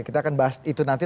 kita akan bahas itu nanti